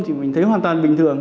thì mình thấy hoàn toàn bình thường